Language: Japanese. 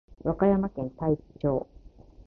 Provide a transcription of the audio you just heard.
和歌山県太地町